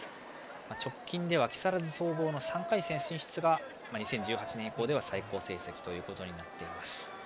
直近では木更津総合の３回戦進出が２０１８年以降では最高成績となっています。